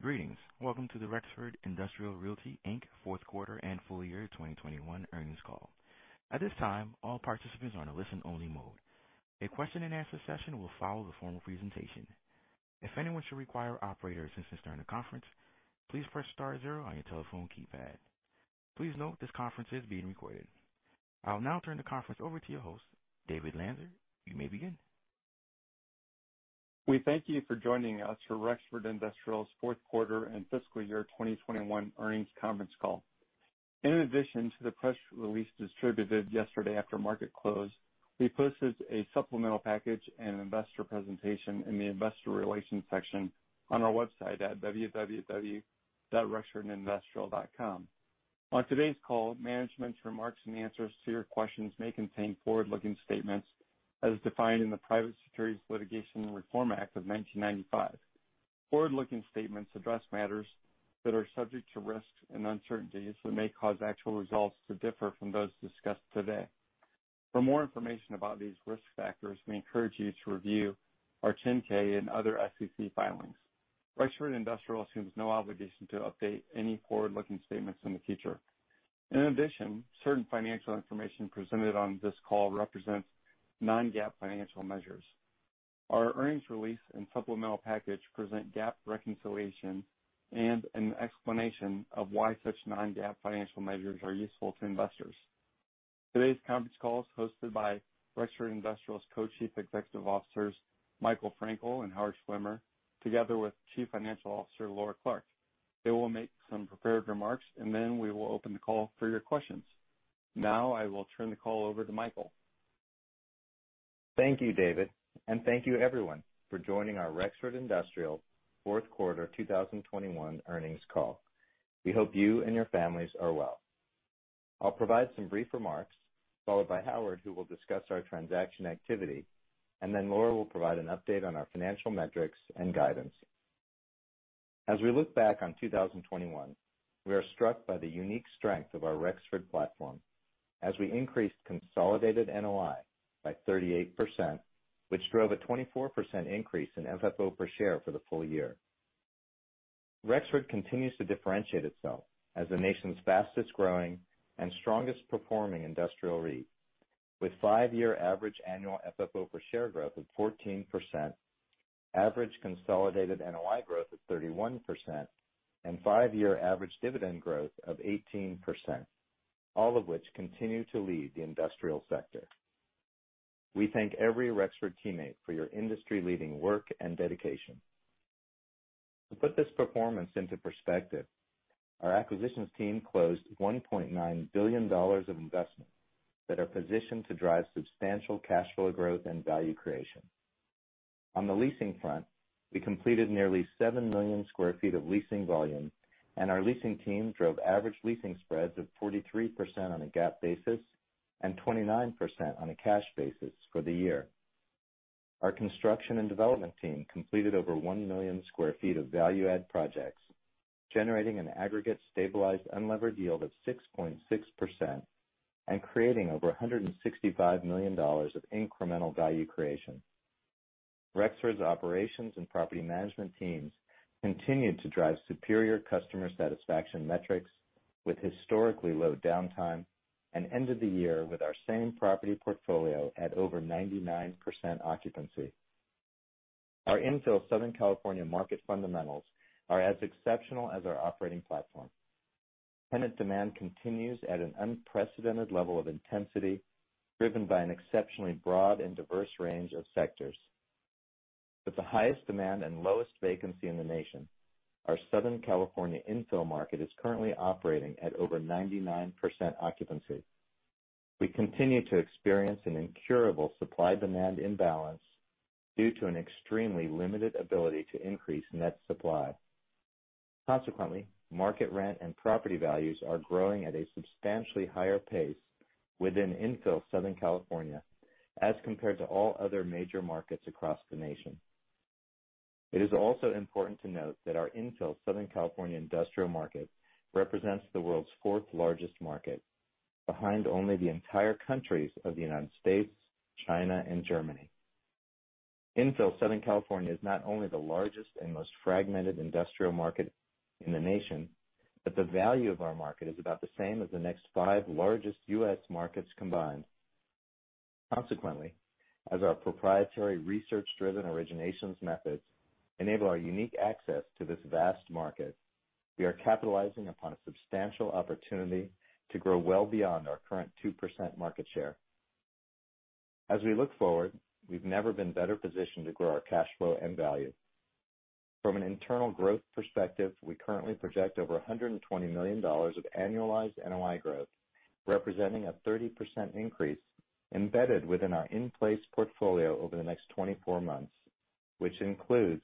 Greetings. Welcome to the Rexford Industrial Realty, Inc. fourth quarter and full year 2021 earnings call. At this time, all participants are in a listen-only mode. A question-and-answer session will follow the formal presentation. If anyone should require operator assistance during the conference, please press star zero on your telephone keypad. Please note this conference is being recorded. I'll now turn the conference over to your host, David Lanzer. You may begin. We thank you for joining us for Rexford Industrial's fourth quarter and fiscal year 2021 earnings conference call. In addition to the press release distributed yesterday after market close, we posted a supplemental package and an investor presentation in the investor relations section on our website at www.rexfordindustrial.com. On today's call, management's remarks and answers to your questions may contain forward-looking statements as defined in the Private Securities Litigation Reform Act of 1995. Forward-looking statements address matters that are subject to risks and uncertainties that may cause actual results to differ from those discussed today. For more information about these risk factors, we encourage you to review our 10-K and other SEC filings. Rexford Industrial assumes no obligation to update any forward-looking statements in the future. In addition, certain financial information presented on this call represents non-GAAP financial measures. Our earnings release and supplemental package present GAAP reconciliation and an explanation of why such non-GAAP financial measures are useful to investors. Today's conference call is hosted by Rexford Industrial's Co-Chief Executive Officers, Michael Frankel and Howard Schwimmer, together with Chief Financial Officer, Laura Clark. They will make some prepared remarks, and then we will open the call for your questions. Now I will turn the call over to Michael. Thank you, David, and thank you everyone for joining our Rexford Industrial fourth quarter 2021 earnings call. We hope you and your families are well. I'll provide some brief remarks, followed by Howard, who will discuss our transaction activity, and then Laura will provide an update on our financial metrics and guidance. As we look back on 2021, we are struck by the unique strength of our Rexford platform as we increased consolidated NOI by 38%, which drove a 24% increase in FFO per share for the full year. Rexford continues to differentiate itself as the nation's fastest growing and strongest performing industrial REIT, with five-year average annual FFO per share growth of 14%, average consolidated NOI growth of 31%, and five-year average dividend growth of 18%, all of which continue to lead the industrial sector. We thank every Rexford teammate for your industry leading work and dedication. To put this performance into perspective, our acquisitions team closed $1.9 billion of investment that are positioned to drive substantial cash flow growth and value creation. On the leasing front, we completed nearly 7 million sq ft of leasing volume, and our leasing team drove average leasing spreads of 43% on a GAAP basis and 29% on a cash basis for the year. Our construction and development team completed over 1 million sq ft of value add projects, generating an aggregate stabilized unlevered yield of 6.6% and creating over $165 million of incremental value creation. Rexford's operations and property management teams continued to drive superior customer satisfaction metrics with historically low downtime and ended the year with our same property portfolio at over 99% occupancy. Our infill Southern California market fundamentals are as exceptional as our operating platform. Tenant demand continues at an unprecedented level of intensity, driven by an exceptionally broad and diverse range of sectors. With the highest demand and lowest vacancy in the nation, our Southern California infill market is currently operating at over 99% occupancy. We continue to experience an incurable supply demand imbalance due to an extremely limited ability to increase net supply. Consequently, market rent and property values are growing at a substantially higher pace within infill Southern California as compared to all other major markets across the nation. It is also important to note that our infill Southern California industrial market represents the world's fourth largest market, behind only the entire countries of the United States, China, and Germany. Infill Southern California is not only the largest and most fragmented industrial market in the nation, but the value of our market is about the same as the next five largest U.S. markets combined. Consequently, as our proprietary research driven originations methods enable our unique access to this vast market, we are capitalizing upon a substantial opportunity to grow well beyond our current 2% market share. As we look forward, we've never been better positioned to grow our cash flow and value. From an internal growth perspective, we currently project over $120 million of annualized NOI growth, representing a 30% increase embedded within our in place portfolio over the next 24 months, which includes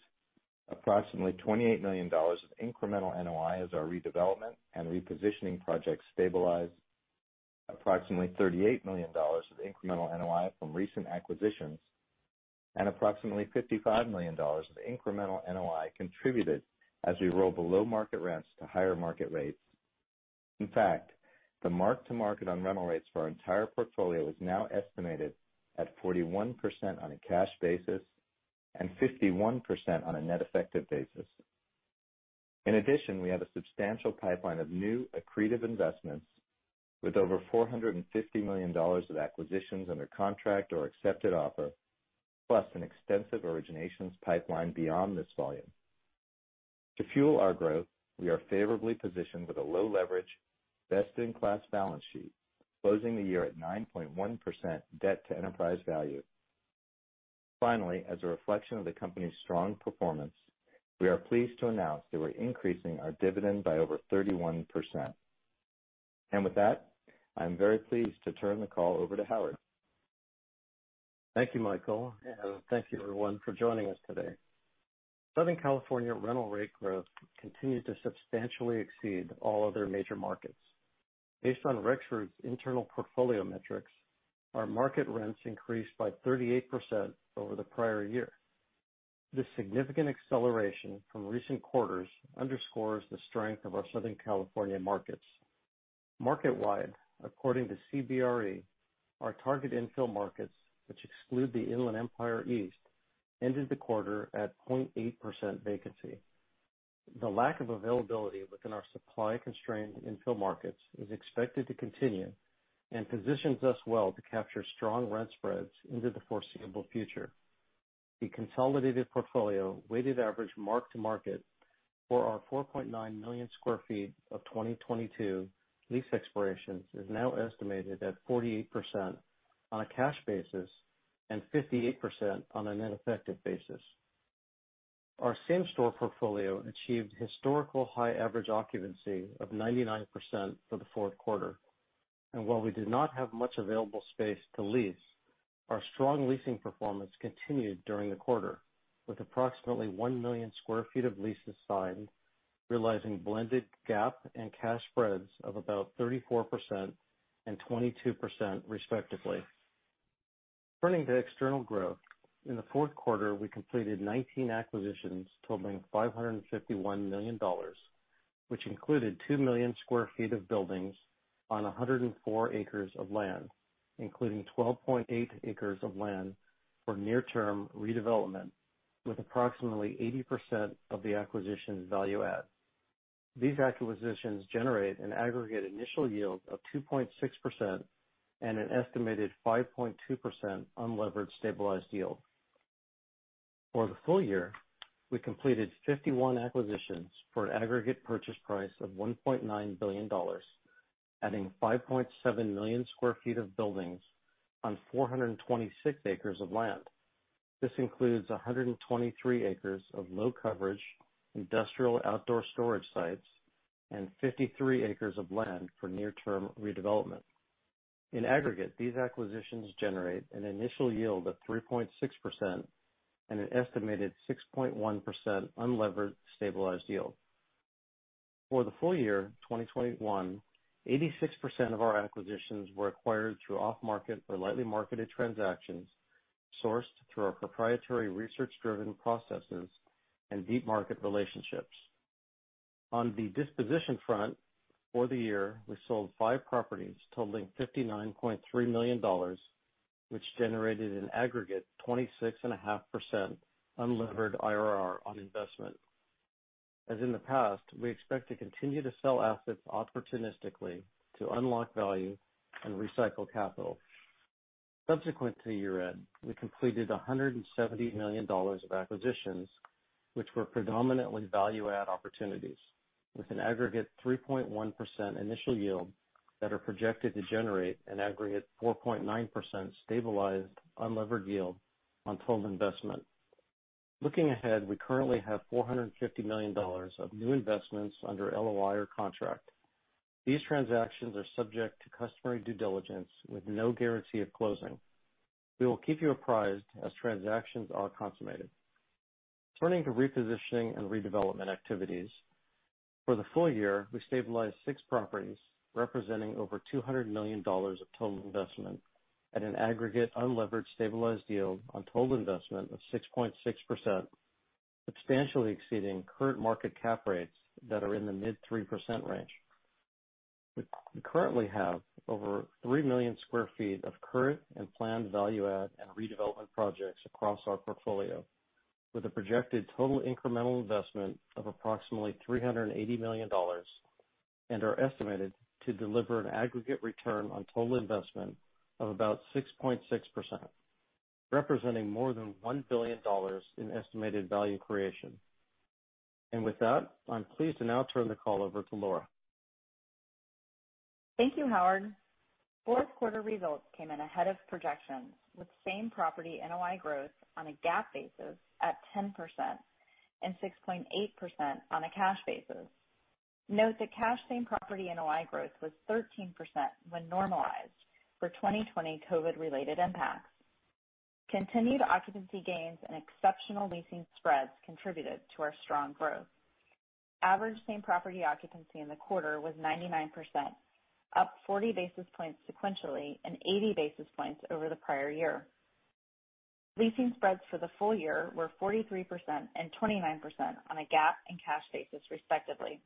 approximately $28 million of incremental NOI as our redevelopment and repositioning projects stabilize approximately $38 million of incremental NOI from recent acquisitions, and approximately $55 million of incremental NOI contributed as we roll below market rents to higher market rates. In fact, the mark to market on rental rates for our entire portfolio is now estimated at 41% on a cash basis, and 51% on a net effective basis. In addition, we have a substantial pipeline of new accretive investments with over $450 million of acquisitions under contract or accepted offer, plus an extensive originations pipeline beyond this volume. To fuel our growth, we are favorably positioned with a low leverage, best-in-class balance sheet, closing the year at 9.1% debt to enterprise value. Finally, as a reflection of the company's strong performance, we are pleased to announce that we're increasing our dividend by over 31%. With that, I'm very pleased to turn the call over to Howard. Thank you, Michael, and thank you everyone for joining us today. Southern California rental rate growth continued to substantially exceed all other major markets. Based on Rexford's internal portfolio metrics, our market rents increased by 38% over the prior year. This significant acceleration from recent quarters underscores the strength of our Southern California markets. Market-wide, according to CBRE, our target infill markets, which exclude the Inland Empire East, ended the quarter at 0.8% vacancy. The lack of availability within our supply-constrained infill markets is expected to continue and positions us well to capture strong rent spreads into the foreseeable future. The consolidated portfolio weighted average mark to market for our 4.9 million sq ft of 2022 lease expirations is now estimated at 48% on a cash basis and 58% on a net effective basis. Our same store portfolio achieved historical high average occupancy of 99% for the fourth quarter. While we did not have much available space to lease, our strong leasing performance continued during the quarter, with approximately 1 million sq ft of leases signed, realizing blended GAAP and cash spreads of about 34% and 22% respectively. Turning to external growth. In the fourth quarter, we completed 19 acquisitions totaling $551 million, which included 2 million sq ft of buildings on 104 acres of land, including 12.8 acres of land for near term redevelopment, with approximately 80% of the acquisition value add. These acquisitions generate an aggregate initial yield of 2.6% and an estimated 5.2% unlevered stabilized yield. For the full year, we completed 51 acquisitions for an aggregate purchase price of $1.9 billion, adding 5.7 million sq ft of buildings on 426 acres of land. This includes 123 acres of low coverage, industrial outdoor storage sites, and 53 acres of land for near term redevelopment. In aggregate, these acquisitions generate an initial yield of 3.6% and an estimated 6.1% unlevered stabilized yield. For the full year 2021, 86% of our acquisitions were acquired through off-market or lightly marketed transactions sourced through our proprietary research-driven processes and deep market relationships. On the disposition front, for the year, we sold five properties totaling $59.3 million, which generated an aggregate 26.5% unlevered IRR on investment. As in the past, we expect to continue to sell assets opportunistically to unlock value and recycle capital. Subsequent to year-end, we completed $170 million of acquisitions, which were predominantly value add opportunities with an aggregate 3.1% initial yield that are projected to generate an aggregate 4.9% stabilized unlevered yield on total investment. Looking ahead, we currently have $450 million of new investments under LOI or contract. These transactions are subject to customary due diligence with no guarantee of closing. We will keep you apprised as transactions are consummated. Turning to repositioning and redevelopment activities. For the full year, we stabilized six properties representing over $200 million of total investment at an aggregate unlevered stabilized yield on total investment of 6.6%, substantially exceeding current market cap rates that are in the mid-3% range. We currently have over 3 million sq ft of current and planned value add and redevelopment projects across our portfolio with a projected total incremental investment of approximately $380 million, and are estimated to deliver an aggregate return on total investment of about 6.6%, representing more than $1 billion in estimated value creation. With that, I'm pleased to now turn the call over to Laura. Thank you, Howard. Fourth quarter results came in ahead of projections, with same property NOI growth on a GAAP basis at 10% and 6.8% on a cash basis. Note that cash same property NOI growth was 13% when normalized for 2020 COVID-related impacts. Continued occupancy gains and exceptional leasing spreads contributed to our strong growth. Average same property occupancy in the quarter was 99%, up 40 basis points sequentially and 80 basis points over the prior year. Leasing spreads for the full year were 43% and 29% on a GAAP and cash basis, respectively.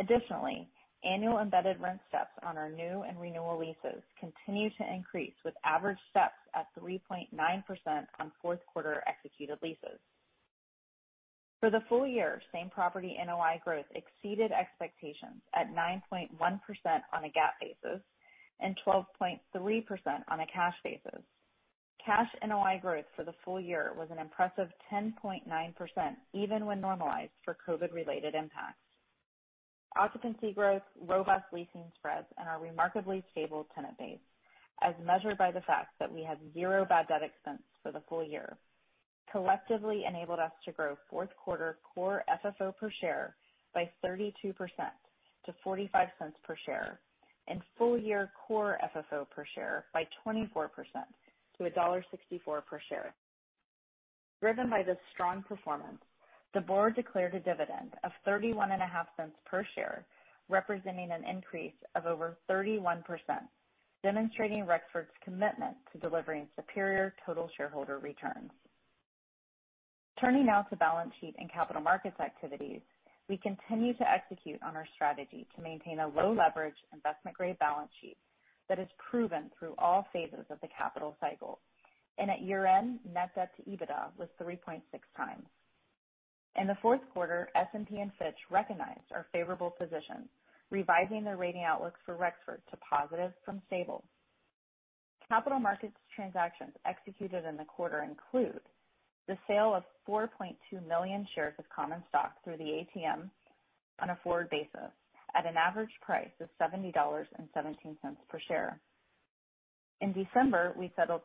Additionally, annual embedded rent steps on our new and renewal leases continue to increase, with average steps at 3.9% on fourth quarter executed leases. For the full year, same property NOI growth exceeded expectations at 9.1% on a GAAP basis and 12.3% on a cash basis. Cash NOI growth for the full year was an impressive 10.9% even when normalized for COVID related impacts. Occupancy growth, robust leasing spreads and our remarkably stable tenant base, as measured by the fact that we had 0 bad debt expense for the full year, collectively enabled us to grow fourth quarter core FFO per share by 32% to $0.45 per share, and full year core FFO per share by 24% to $1.64 per share. Driven by this strong performance, the board declared a dividend of $0.315 per share, representing an increase of over 31%, demonstrating Rexford's commitment to delivering superior total shareholder returns. Turning now to balance sheet and capital markets activities. We continue to execute on our strategy to maintain a low leverage investment grade balance sheet that is proven through all phases of the capital cycle. At year-end, net debt to EBITDA was 3.6x. In the fourth quarter, S&P and Fitch recognized our favorable position, revising their rating outlook for Rexford to positive from stable. Capital markets transactions executed in the quarter include the sale of 4.2 million shares of common stock through the ATM on a forward basis at an average price of $70.17 per share. In December, we settled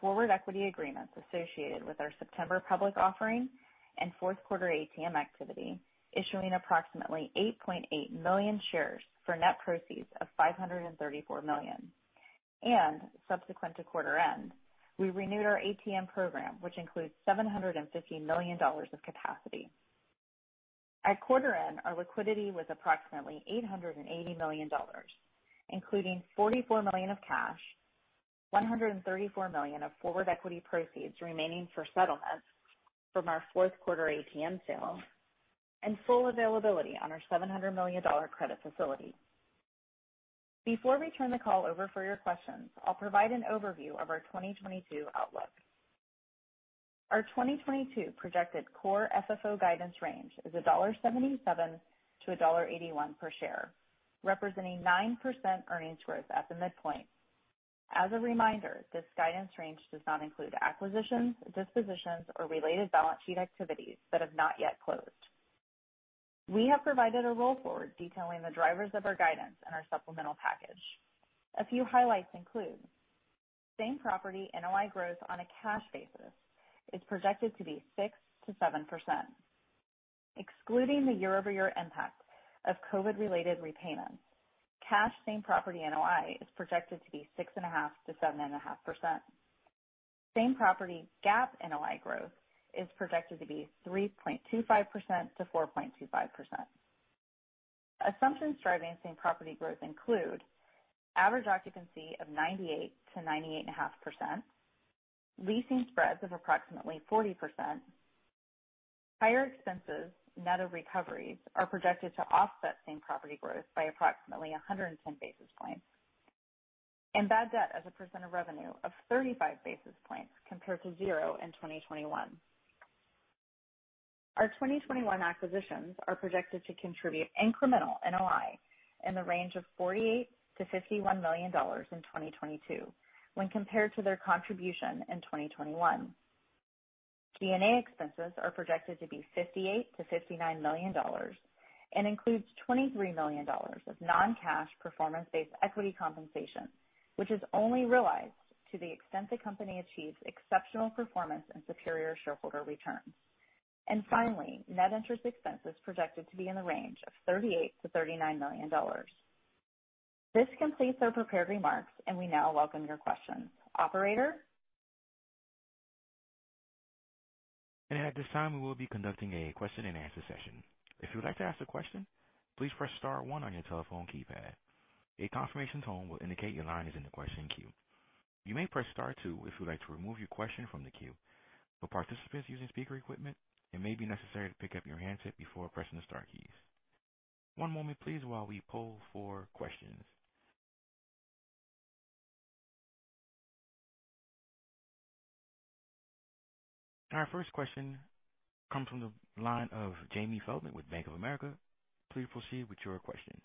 forward equity agreements associated with our September public offering and fourth quarter ATM activity, issuing approximately 8.8 million shares for net proceeds of $534 million. Subsequent to quarter end, we renewed our ATM program, which includes $750 million of capacity. At quarter end, our liquidity was approximately $880 million, including $44 million of cash, $134 million of forward equity proceeds remaining for settlement from our fourth quarter ATM sale, and full availability on our $700 million credit facility. Before we turn the call over for your questions, I'll provide an overview of our 2022 outlook. Our 2022 projected core FFO guidance range is $1.77-$1.81 per share, representing 9% earnings growth at the midpoint. As a reminder, this guidance range does not include acquisitions, dispositions, or related balance sheet activities that have not yet closed. We have provided a roll forward detailing the drivers of our guidance in our supplemental package. A few highlights include same property NOI growth on a cash basis is projected to be 6%-7%. Excluding the year-over-year impact of COVID related repayments, cash same property NOI is projected to be 6.5%-7.5%. Same property GAAP NOI growth is projected to be 3.25%-4.25%. Assumptions driving same property growth include average occupancy of 98%-98.5%. Leasing spreads of approximately 40%. Higher expenses net of recoveries are projected to offset same property growth by approximately 110 basis points. Bad debt as a percent of revenue of 35 basis points compared to zero in 2021. Our 2021 acquisitions are projected to contribute incremental NOI in the range of $48 million-$51 million in 2022 when compared to their contribution in 2021. G&A expenses are projected to be $58 million-$59 million and includes $23 million of non-cash performance-based equity compensation, which is only realized to the extent the company achieves exceptional performance and superior shareholder returns. Finally, net interest expense is projected to be in the range of $38 million-$39 million. This completes our prepared remarks, and we now welcome your questions. Operator? At this time, we will be conducting a question-and-answer session. If you would like to ask a question, please press star one on your telephone keypad. A confirmation tone will indicate your line is in the question queue. You may press star two if you'd like to remove your question from the queue. For participants using speaker equipment, it may be necessary to pick up your handset before pressing the star keys. One moment please while we poll for questions. Our first question comes from the line of Jamie Feldman with Bank of America. Please proceed with your question.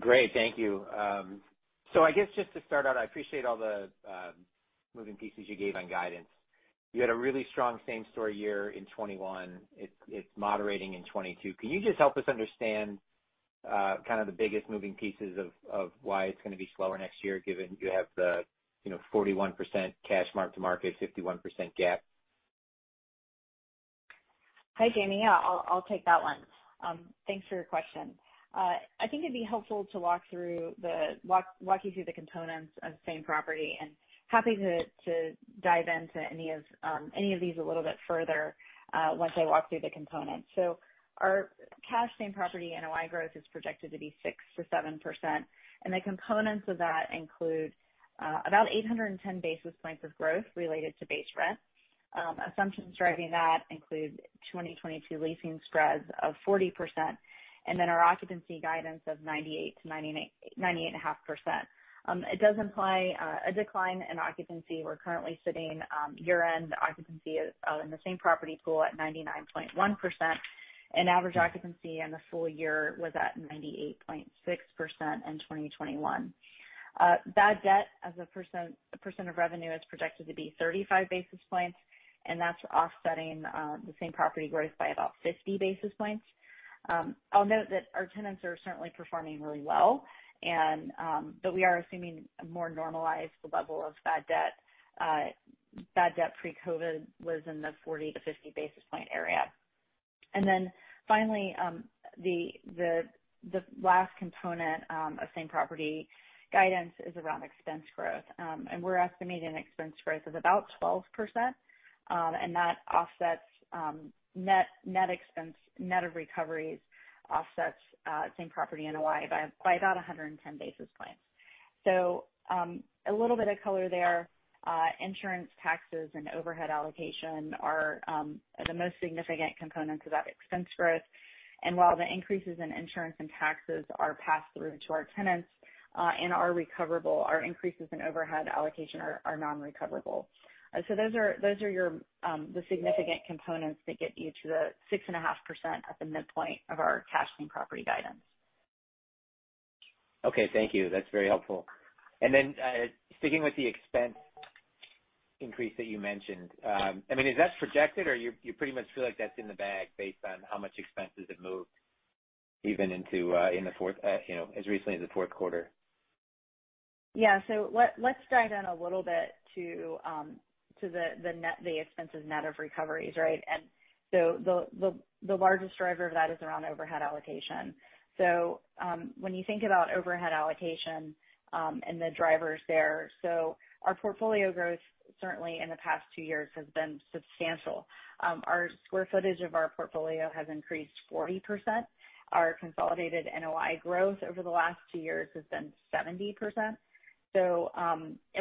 Great, thank you. I guess just to start out, I appreciate all the moving pieces you gave on guidance. You had a really strong same-store year in 2021. It's moderating in 2022. Can you just help us understand kind of the biggest moving pieces of why it's gonna be slower next year, given you have the 41% cash mark-to-market, 51% GAAP? Hi, Jamie. I'll take that one. Thanks for your question. I think it'd be helpful to walk you through the components of same property and happy to dive into any of these a little bit further once I walk through the components. Our cash same property NOI growth is projected to be 6%-7%. The components of that include about 810 basis points of growth related to base rent. Assumptions driving that include 2022 leasing spreads of 40% and then our occupancy guidance of 98%-98.5%. It does imply a decline in occupancy. We're currently sitting year end occupancy is in the same property pool at 99.1% and average occupancy in the full year was at 98.6% in 2021. Bad debt as a percent of revenue is projected to be 35 basis points, and that's offsetting the same property growth by about 50 basis points. I'll note that our tenants are certainly performing really well and but we are assuming a more normalized level of bad debt. Bad debt pre-COVID was in the 40-50 basis point area. Then finally the last component of same property guidance is around expense growth. We're estimating an expense growth of about 12%, and that offsets net expense net of recoveries offsets same-property NOI by about 110 basis points. A little bit of color there. Insurance, taxes, and overhead allocation are the most significant components of that expense growth. While the increases in insurance and taxes are passed through to our tenants and are recoverable, our increases in overhead allocation are non-recoverable. Those are the significant components that get you to the 6.5% at the midpoint of our cash same-property guidance. Okay. Thank you. That's very helpful. Then, sticking with the expense increase that you mentioned, I mean, is that projected or you pretty much feel like that's in the bag based on how much expenses have moved even into, in the fourth, you know, as recently as the fourth quarter? Yeah. Let's dive in a little bit to the net expenses net of recoveries, right? The largest driver of that is around overhead allocation. When you think about overhead allocation and the drivers there, our portfolio growth certainly in the past two years has been substantial. Our square footage of our portfolio has increased 40%. Our consolidated NOI growth over the last two years has been 70%.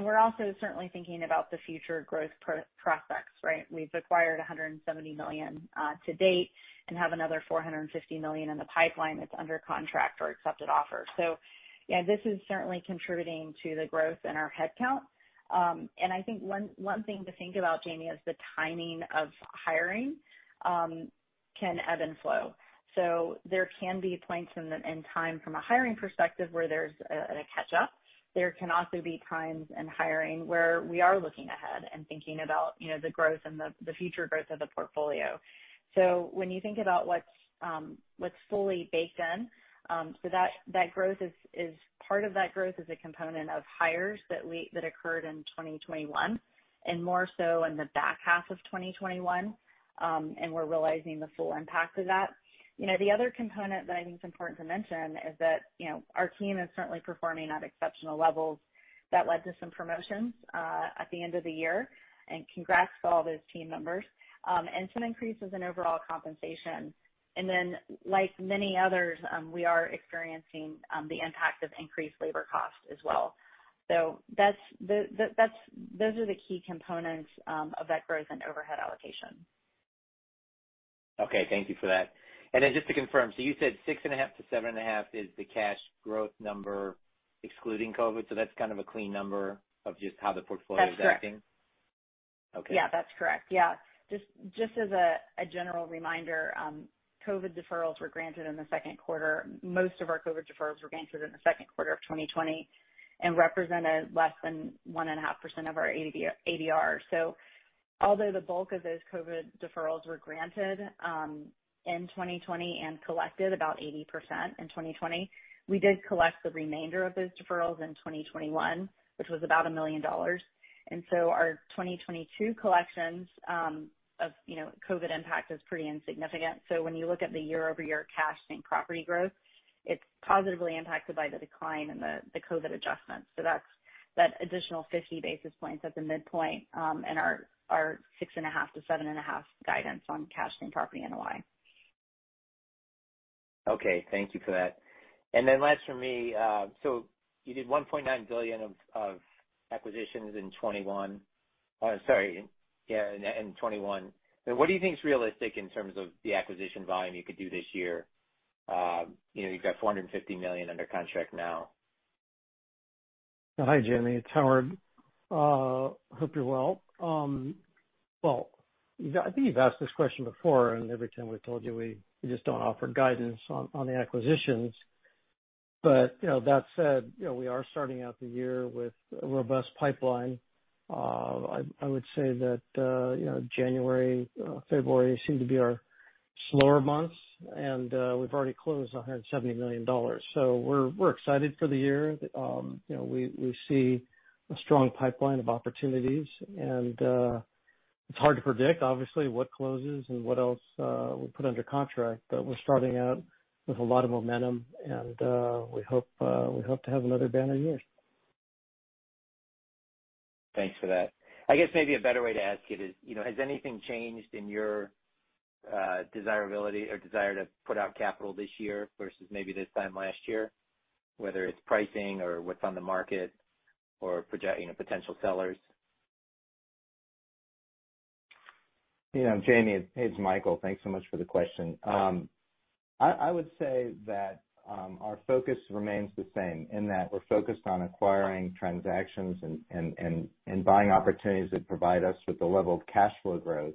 We're also certainly thinking about the future growth prospects, right? We've acquired $170 million to date and have another $450 million in the pipeline that's under contract or accepted offer. Yeah, this is certainly contributing to the growth in our headcount. I think one thing to think about, Jamie, is the timing of hiring can ebb and flow. There can be points in time from a hiring perspective where there's a catch up. There can also be times in hiring where we are looking ahead and thinking about, you know, the growth and the future growth of the portfolio. When you think about what's fully baked in, that growth is part of that growth is a component of hires that occurred in 2021 and more so in the back half of 2021. We're realizing the full impact of that. You know, the other component that I think is important to mention is that, you know, our team is certainly performing at exceptional levels that led to some promotions at the end of the year, and congrats to all those team members, and some increases in overall compensation. Then like many others, we are experiencing the impact of increased labor cost as well. That's those are the key components of that growth and overhead allocation. Okay, thank you for that. Then just to confirm, so you said 6.5%-7.5% is the cash growth number excluding COVID. That's kind of a clean number of just how the portfolio is acting. That's correct. Okay. Yeah, that's correct. Yeah. Just as a general reminder, COVID deferrals were granted in the second quarter. Most of our COVID deferrals were granted in the second quarter of 2020 and represented less than 1.5% of our ABR. Although the bulk of those COVID deferrals were granted in 2020 and collected about 80% in 2020, we did collect the remainder of those deferrals in 2021, which was about $1 million. Our 2022 collections of you know COVID impact is pretty insignificant. When you look at the year-over-year cash same-property growth, it's positively impacted by the decline in the COVID adjustments. That's that additional 50 basis points at the midpoint in our 6.5%-7.5% guidance on cash same-property NOI. Okay, thank you for that. Last for me, so you did $1.9 billion of acquisitions in 2021. What do you think is realistic in terms of the acquisition volume you could do this year? You know, you've got $450 million under contract now. Hi, Jamie, it's Howard. Hope you're well. I think you've asked this question before, and every time we've told you we just don't offer guidance on the acquisitions. You know, that said, you know, we are starting out the year with a robust pipeline. I would say that, you know, January, February seem to be our slower months and, we've already closed $170 million. We're excited for the year. You know, we see a strong pipeline of opportunities and, it's hard to predict obviously what closes and what else, we'll put under contract. We're starting out with a lot of momentum and, we hope to have another banner year. Thanks for that. I guess maybe a better way to ask it is, you know, has anything changed in your? Desirability or desire to put out capital this year versus maybe this time last year, whether it's pricing or what's on the market or project, you know, potential sellers. You know, Jamie, it's Michael. Thanks so much for the question. I would say that our focus remains the same in that we're focused on acquiring transactions and buying opportunities that provide us with the level of cash flow growth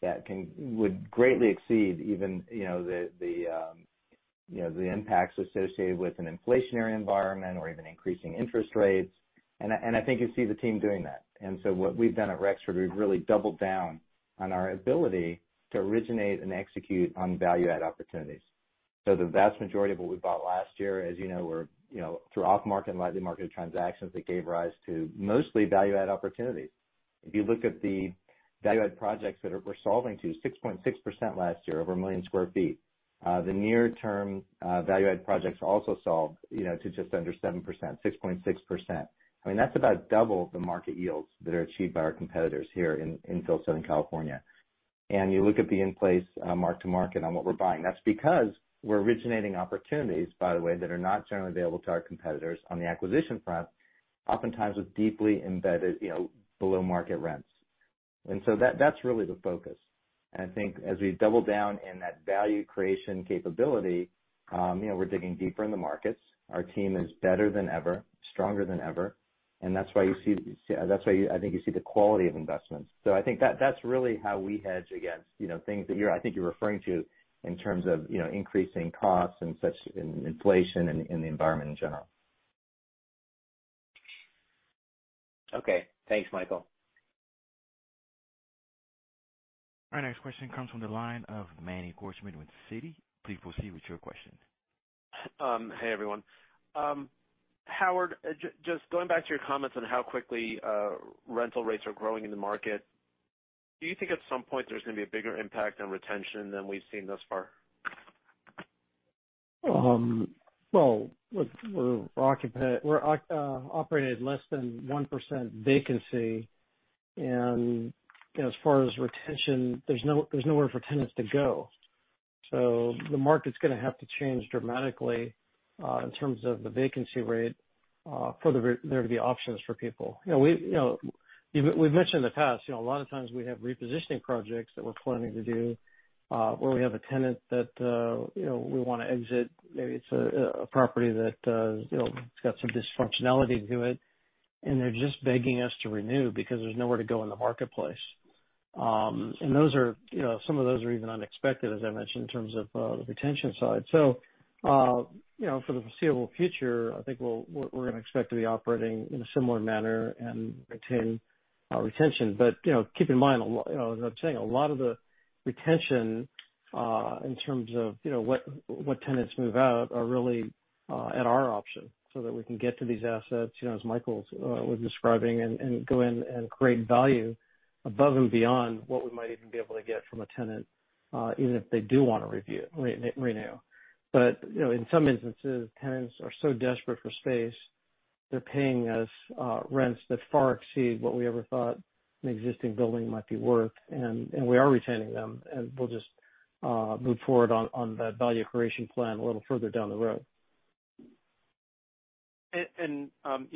that would greatly exceed even, you know, the impacts associated with an inflationary environment or even increasing interest rates. I think you see the team doing that. What we've done at Rexford, we've really doubled down on our ability to originate and execute on value add opportunities. The vast majority of what we bought last year, as you know, were through off-market and lightly marketed transactions that gave rise to mostly value add opportunities. If you look at the value add projects that we're yielding to 6.6% last year over 1 million sq ft. The near term value add projects also yielded, you know, to just under 7%, 6.6%. I mean, that's about double the market yields that are achieved by our competitors here in Southern California. You look at the in-place mark-to-market on what we're buying. That's because we're originating opportunities, by the way, that are not generally available to our competitors on the acquisition front, oftentimes with deeply embedded, you know, below market rents. That's really the focus. I think as we double down in that value creation capability, you know, we're digging deeper in the markets. Our team is better than ever, stronger than ever. That's why I think you see the quality of investments. I think that's really how we hedge against, you know, things that you're, I think you're referring to in terms of, you know, increasing costs and such in inflation and the environment in general. Okay. Thanks, Michael. Our next question comes from the line of Manny Korchman with Citi. Please proceed with your question. Hey, everyone. Howard, just going back to your comments on how quickly rental rates are growing in the market. Do you think at some point there's gonna be a bigger impact on retention than we've seen thus far? Well, we're operating at less than 1% vacancy, and as far as retention, there's nowhere for tenants to go. The market's gonna have to change dramatically in terms of the vacancy rate for there to be options for people. You know, we, you know, we've mentioned in the past, you know, a lot of times we have repositioning projects that we're planning to do, where we have a tenant that, you know, we wanna exit. Maybe it's a property that, you know, it's got some dysfunctionality to it, and they're just begging us to renew because there's nowhere to go in the marketplace. Those are, you know, some of those are even unexpected, as I mentioned, in terms of the retention side. You know, for the foreseeable future, I think we're gonna expect to be operating in a similar manner and retain retention. But you know, keep in mind, a lot of the retention, in terms of, you know, what tenants move out are really at our option so that we can get to these assets, you know, as Michael was describing, and go in and create value above and beyond what we might even be able to get from a tenant, even if they do want to renew. But you know, in some instances, tenants are so desperate for space, they're paying us rents that far exceed what we ever thought an existing building might be worth. We are retaining them, and we'll just move forward on that value creation plan a little further down the road. You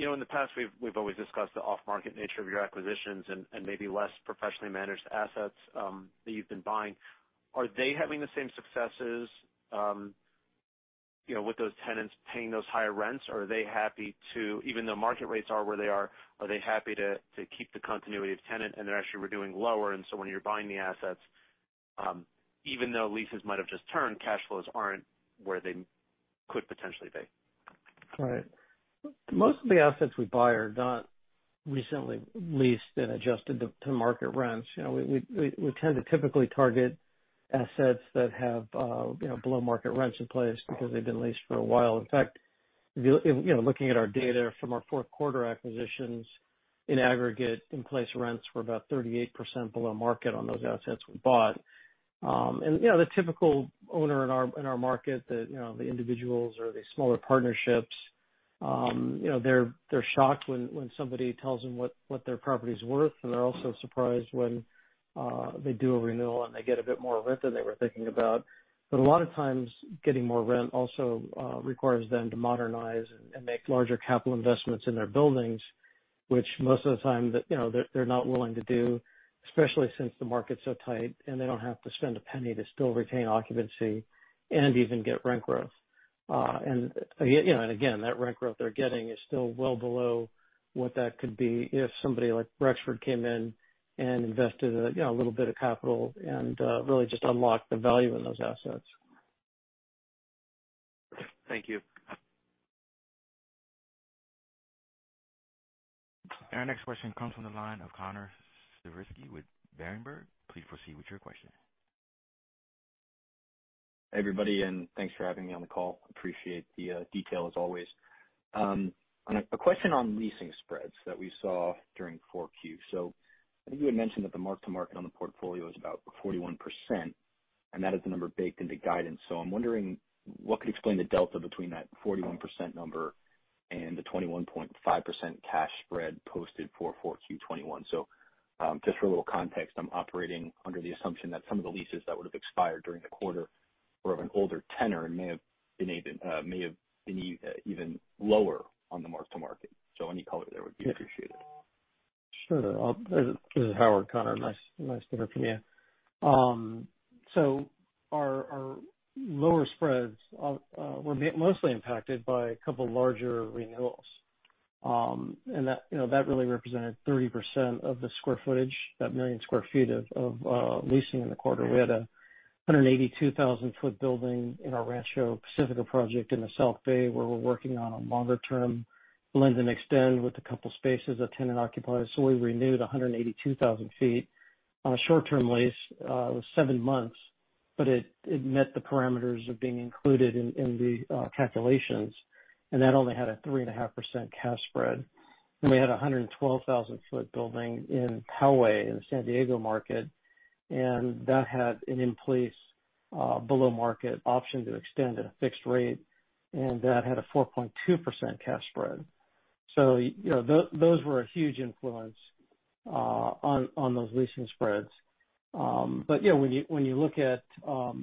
know, in the past, we've always discussed the off-market nature of your acquisitions and maybe less professionally managed assets that you've been buying. Are they having the same successes, you know, with those tenants paying those higher rents? Even though market rates are where they are they happy to keep the continuity of tenancy and they're actually renewing lower? When you're buying the assets, even though leases might have just turned, cash flows aren't where they could potentially be. Right. Most of the assets we buy are not recently leased and adjusted to market rents. You know, we tend to typically target assets that have you know, below market rents in place because they've been leased for a while. In fact, if you you know, looking at our data from our fourth quarter acquisitions, in aggregate, in-place rents were about 38% below market on those assets we bought. And you know, the typical owner in our market that you know, the individuals or the smaller partnerships you know, they're shocked when somebody tells them what their property is worth. They're also surprised when they do a renewal, and they get a bit more rent than they were thinking about. A lot of times, getting more rent also requires them to modernize and make larger capital investments in their buildings, which most of the time, you know, they're not willing to do, especially since the market's so tight and they don't have to spend a penny to still retain occupancy and even get rent growth. You know, and again, that rent growth they're getting is still well below what that could be if somebody like Rexford came in and invested, you know, a little bit of capital and really just unlocked the value in those assets. Thank you. Our next question comes from the line of Connor Siversky with Berenberg. Please proceed with your question. Everybody, thanks for having me on the call. Appreciate the detail as always. A question on leasing spreads that we saw during 4Q. I think you had mentioned that the mark-to-market on the portfolio is about 41%, and that is the number baked into guidance. I'm wondering what could explain the delta between that 41% number and the 21.5% cash spread posted for 4Q 2021. Just for a little context, I'm operating under the assumption that some of the leases that would have expired during the quarter were of an older tenor and may have been even lower on the mark-to-market. Any color there would be appreciated. Sure. This is Howard, Connor. Nice to hear from you. Our lower spreads were mostly impacted by a couple larger renewals. That really represented 30% of the square footage, 1 million sq ft of leasing in the quarter. We had a 182,000 sq ft building in our Rancho Pacifica project in the South Bay, where we're working on a longer term lease and extend with a couple spaces a tenant occupies. We renewed 182,000 sq ft on a short term lease. It was seven months, but it met the parameters of being included in the calculations, and that only had a 3.5% cash spread. We had a 112,000 sq ft building in Poway in the San Diego market, and that had an in-place below-market option to extend at a fixed rate, and that had a 4.2% cash spread. You know, those were a huge influence on those leasing spreads. Yeah, when you look at our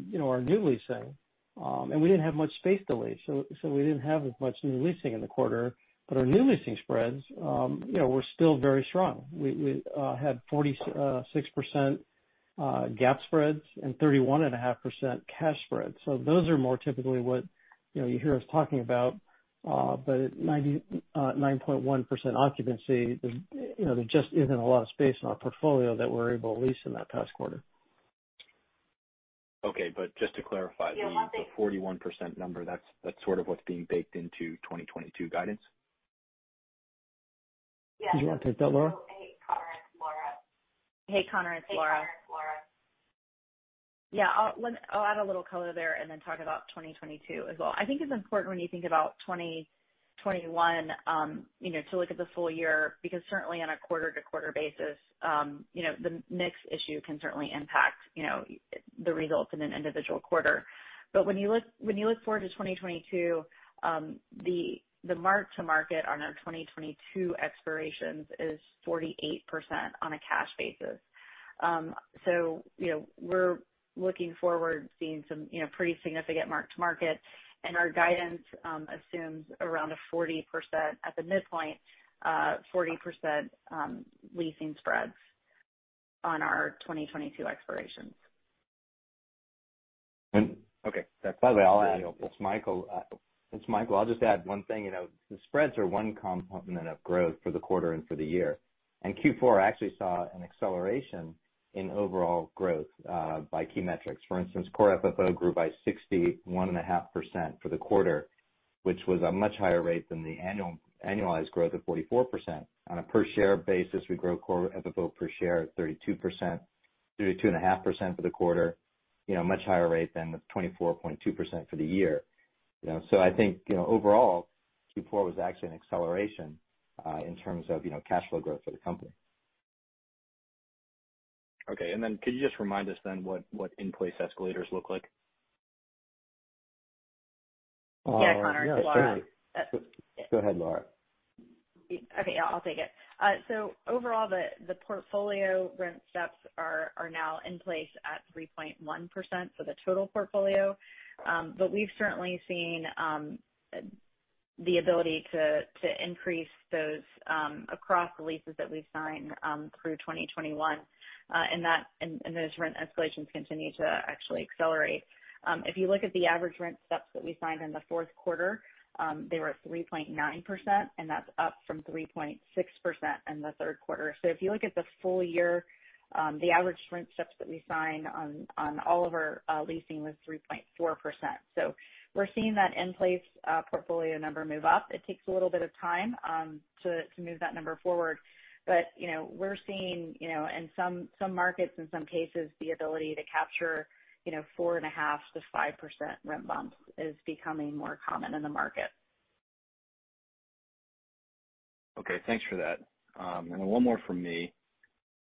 new leasing, and we didn't have much space to lease, so we didn't have as much new leasing in the quarter. Our new leasing spreads were still very strong. We had 46% GAAP spreads and 31.5% cash spreads. Those are more typically what you hear us talking about. At 99.1% occupancy, you know, there just isn't a lot of space in our portfolio that we're able to lease in that past quarter. Okay, just to clarify. Yeah, one thing. The 41% number, that's sort of what's being baked into 2022 guidance. Yeah. Do you want to take that, Laura? Hey, Connor. It's Laura. Yeah. I'll add a little color there and then talk about 2022 as well. I think it's important when you think about 2021, you know, to look at the full year, because certainly on a quarter to quarter basis, you know, the mix issue can certainly impact, you know, the results in an individual quarter. When you look forward to 2022, the mark to market on our 2022 expirations is 48% on a cash basis. So, you know, we're looking forward to seeing some, you know, pretty significant mark to market. Our guidance assumes around 40% at the midpoint, 40% leasing spreads on our 2022 expirations. Okay. That's helpful. By the way, I'll add. It's Michael. I'll just add one thing. You know, the spreads are one component of growth for the quarter and for the year. Q4 actually saw an acceleration in overall growth by key metrics. For instance, core FFO grew by 61.5% for the quarter, which was a much higher rate than the annualized growth of 44%. On a per share basis, we grew core FFO per share at 32%, 32.5% for the quarter. You know, much higher rate than the 24.2% for the year. You know, I think, you know, overall, Q4 was actually an acceleration in terms of, you know, cash flow growth for the company. Okay. Could you just remind us then what in-place escalators look like? Yeah, Connor. It's Laura. Yeah, go ahead, Laura. Okay. Yeah, I'll take it. Overall, the portfolio rent steps are now in place at 3.1% for the total portfolio. We've certainly seen the ability to increase those across the leases that we've signed through 2021. Those rent escalations continue to actually accelerate. If you look at the average rent steps that we signed in the fourth quarter, they were at 3.9%, and that's up from 3.6% in the third quarter. If you look at the full year, the average rent steps that we signed on all of our leasing was 3.4%. We're seeing that in place, portfolio number move up. It takes a little bit of time to move that number forward. You know, we're seeing, you know, in some markets, in some cases, the ability to capture, you know, 4.5%-5% rent bumps is becoming more common in the market. Okay, thanks for that. Then one more from me.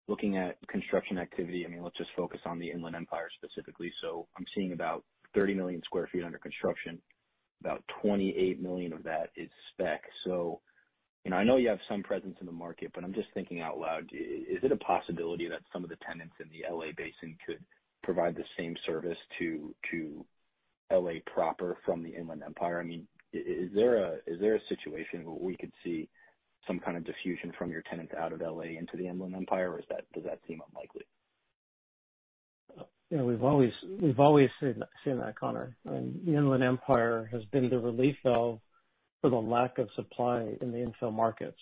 Looking at construction activity, I mean, let's just focus on the Inland Empire specifically. I'm seeing about 30 million sq ft under construction. About 28 million of that is spec. You know, I know you have some presence in the market, but I'm just thinking out loud, is it a possibility that some of the tenants in the L.A. Basin could provide the same service to L.A. proper from the Inland Empire? I mean, is there a situation where we could see some kind of diffusion from your tenants out of L.A. into the Inland Empire, or does that seem unlikely? You know, we've always seen that, Connor. I mean, the Inland Empire has been the relief valve for the lack of supply in the infill markets.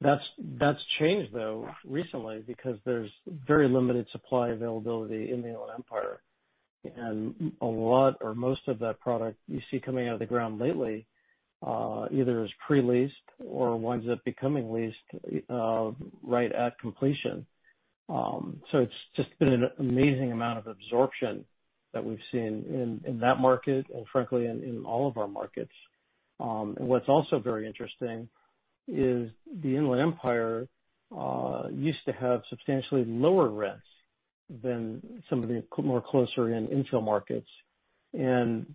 That's changed though recently because there's very limited supply availability in the Inland Empire. A lot or most of that product you see coming out of the ground lately either is pre-leased or winds up becoming leased right at completion. So it's just been an amazing amount of absorption that we've seen in that market and frankly, in all of our markets. What's also very interesting is the Inland Empire used to have substantially lower rents than some of the more closer in infill markets. You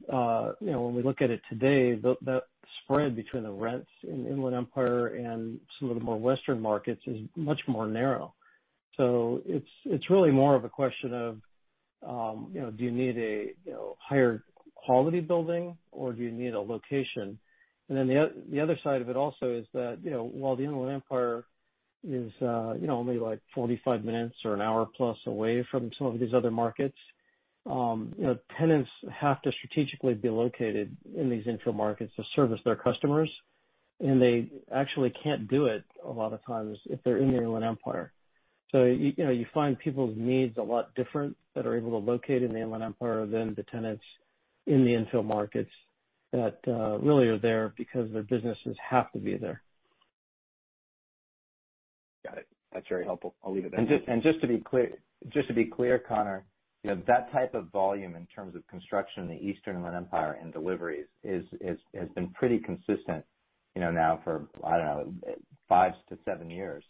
know, when we look at it today, the spread between the rents in Inland Empire and some of the more western markets is much more narrow. It's really more of a question of, you know, do you need a, you know, higher quality building or do you need a location? The other side of it also is that, you know, while the Inland Empire is, you know, only like 45 minutes or an hour plus away from some of these other markets, you know, tenants have to strategically be located in these infill markets to service their customers, and they actually can't do it a lot of times if they're in the Inland Empire. You know, you find people's needs a lot different that are able to locate in the Inland Empire than the tenants in the infill markets that really are there because their businesses have to be there. Got it. That's very helpful. I'll leave it there. Just to be clear, Connor, you know, that type of volume in terms of construction in the Eastern Inland Empire and deliveries has been pretty consistent, you know, now for, I don't know, 5-7 years.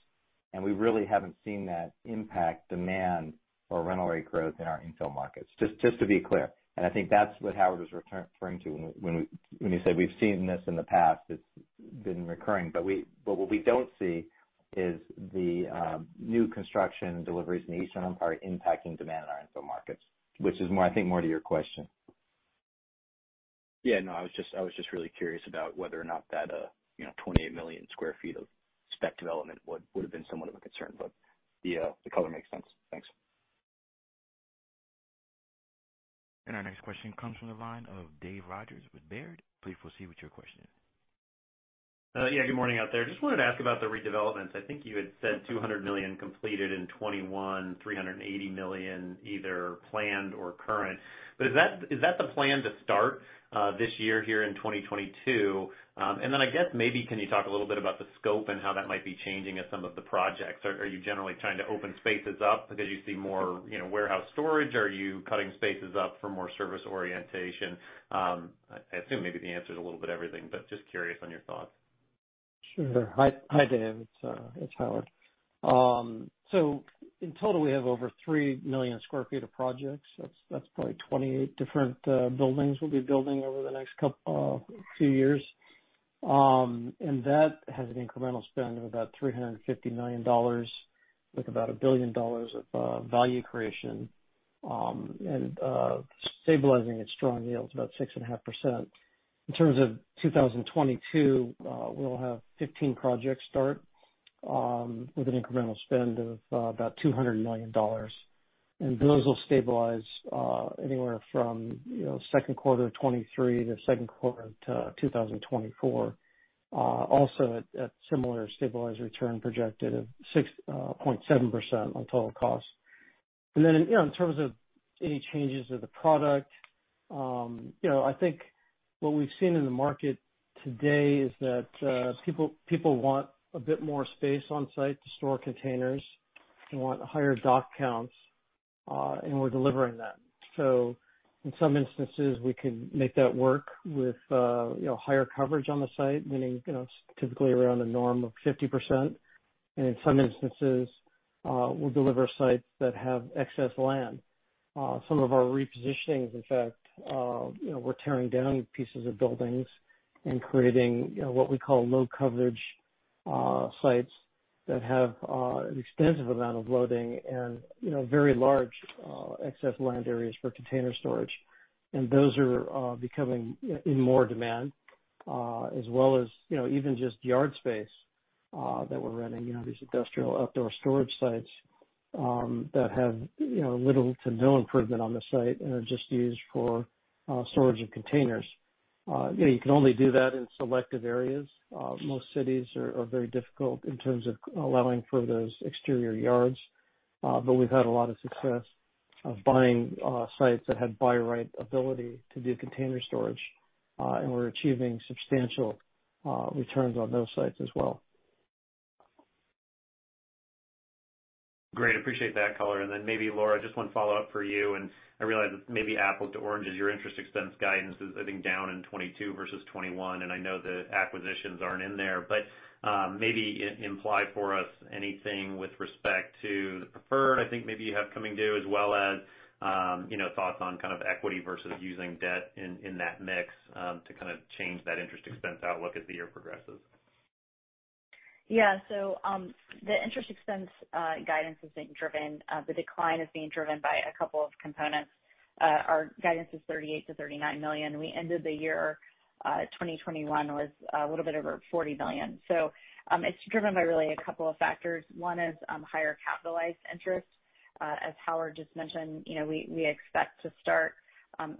We really haven't seen that impact demand or rental rate growth in our infill markets. Just to be clear, I think that's what Howard was referring to when he said we've seen this in the past, it's been recurring. But what we don't see is the new construction deliveries in the Eastern Empire impacting demand in our infill markets, which is more, I think, more to your question. Yeah, no, I was just really curious about whether or not that 28 million sq ft of spec development would have been somewhat of a concern, but the color makes sense. Thanks. Our next question comes from the line of Dave Rodgers with Baird. Please proceed with your question. Yeah, good morning out there. Just wanted to ask about the redevelopments. I think you had said $200 million completed in 2021, $380 million either planned or current. Is that the plan to start this year here in 2022? I guess maybe can you talk a little bit about the scope and how that might be changing at some of the projects. Are you generally trying to open spaces up because you see more, you know, warehouse storage? Are you cutting spaces up for more service orientation? I assume maybe the answer is a little bit everything, but just curious on your thoughts. Sure. Hi, Dave. It's Howard. So in total, we have over 3 million sq ft of projects. That's probably 28 different buildings we'll be building over the next few years. That has an incremental spend of about $350 million with about $1 billion of value creation, and stabilizing at strong yields about 6.5%. In terms of 2022, we'll have 15 projects start with an incremental spend of about $200 million. Those will stabilize anywhere from, you know, second quarter of 2023 to second quarter of 2024, also at similar stabilized return projected of 6.7% on total cost. You know, in terms of any changes to the product, you know, I think what we've seen in the market today is that people want a bit more space on site to store containers. They want higher dock counts, and we're delivering that. In some instances, we can make that work with, you know, higher coverage on the site, meaning, you know, typically around a norm of 50%. In some instances, we'll deliver sites that have excess land. Some of our repositioning, in fact, you know, we're tearing down pieces of buildings and creating, you know, what we call low coverage sites that have an extensive amount of loading and, you know, very large excess land areas for container storage. Those are becoming in more demand as well as, you know, even just yard space that we're renting, you know, these industrial outdoor storage sites that have, you know, little to no improvement on the site and are just used for storage and containers. You know, you can only do that in selective areas. Most cities are very difficult in terms of allowing for those exterior yards, but we've had a lot of success in buying sites that had by-right ability to do container storage, and we're achieving substantial returns on those sites as well. Great. Appreciate that color. Then maybe, Laura, just one follow-up for you, and I realize it's maybe apples to oranges. Your interest expense guidance is, I think, down in 2022 versus 2021, and I know the acquisitions aren't in there, but maybe it implies for us anything with respect to the preferred I think maybe you have coming due, as well as, you know, thoughts on kind of equity versus using debt in that mix to kind of change that interest expense outlook as the year progresses. Yeah. The interest expense guidance is being driven. The decline is being driven by a couple of components. Our guidance is $38 million-$39 million. We ended the year, 2021 was a little bit over $40 million. It's driven by really a couple of factors. One is higher capitalized interest. As Howard just mentioned, you know, we expect to start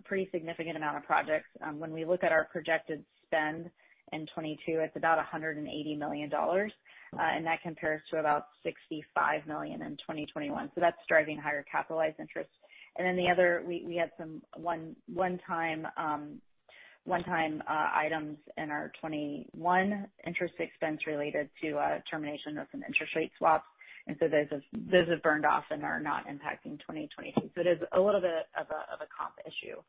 pretty significant amount of projects. When we look at our projected spend in 2022, it's about $180 million, and that compares to about $65 million in 2021. That's driving higher capitalized interest. Then the other, we had some one-time items in our 2021 interest expense related to termination of some interest rate swaps. Those have burned off and are not impacting 2022. There's a little bit of a comp issue.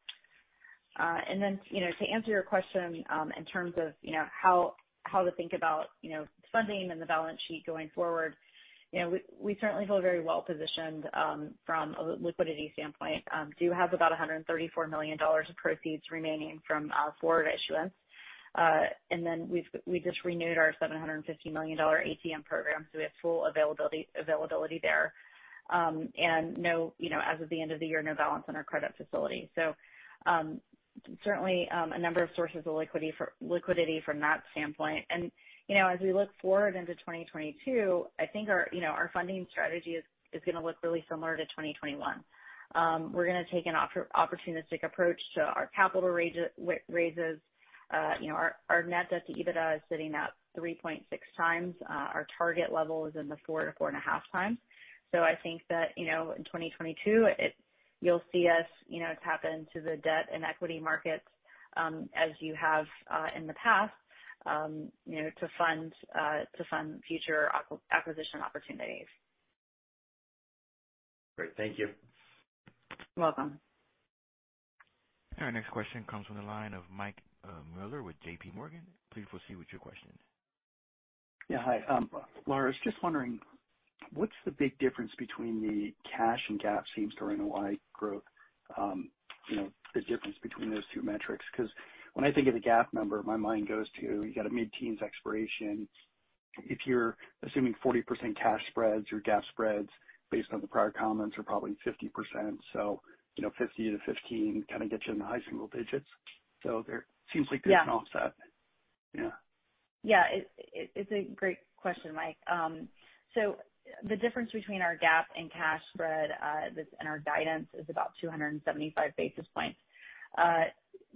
You know, to answer your question, in terms of, you know, how to think about, you know, funding and the balance sheet going forward. You know, we certainly feel very well positioned from a liquidity standpoint. We do have about $134 million of proceeds remaining from our forward issuance. We just renewed our $750 million ATM program, so we have full availability there. No, you know, as of the end of the year, no balance on our credit facility. Certainly, a number of sources of liquidity from that standpoint. You know, as we look forward into 2022, I think our funding strategy is gonna look really similar to 2021. We're gonna take an opportunistic approach to our capital raises. You know, our net debt to EBITDA is sitting at 3.6x. Our target level is in the 4x-4.5x. I think that, you know, in 2022, you'll see us, you know, tap into the debt and equity markets, as you have in the past, you know, to fund future acquisition opportunities. Great. Thank you. You're welcome. Our next question comes from the line of Mike Mueller with JPMorgan. Please proceed with your question. Yeah. Hi, Laura. I was just wondering, what's the big difference between the cash and GAAP same-store NOI growth, you know, the difference between those two metrics? Because when I think of the GAAP number, my mind goes to, you got a mid-teens expiration. If you're assuming 40% cash spreads or GAAP spreads based on the prior comments, are probably 50%. You know, 50%-15% kind of gets you in the high single digits. There seems like- Yeah. There's an offset. Yeah. Yeah. It's a great question, Mike. The difference between our GAAP and cash spread and our guidance is about 275 basis points.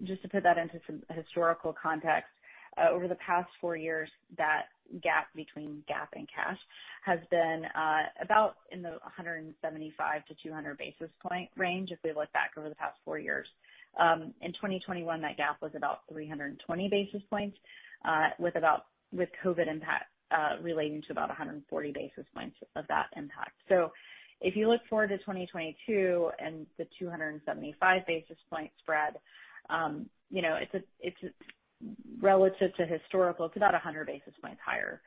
Just to put that into some historical context, over the past four years, that gap between GAAP and cash has been about in the 175-200 basis point range, if we look back over the past four years. In 2021, that gap was about 320 basis points, with COVID impact relating to about 140 basis points of that impact. If you look forward to 2022 and the 275 basis point spread, you know, relative to historical, it's about 100 basis points higher.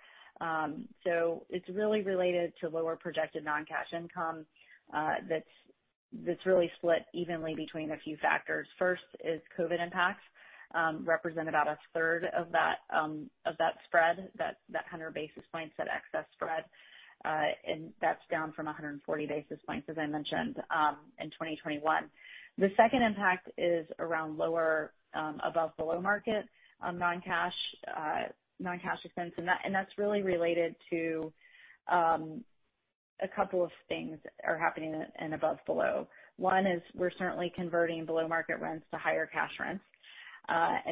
It's really related to lower projected non-cash income. That's really split evenly between a few factors. First is COVID impacts represent about a third of that spread, that 100 basis points, that excess spread. That's down from 140 basis points, as I mentioned, in 2021. The second impact is around lower above/below market non-cash expense. That's really related to a couple of things are happening in above/below. One is we're certainly converting below market rents to higher cash rents.